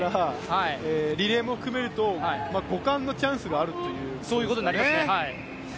リレーも含めると５冠のチャンスがあるという選手ですね。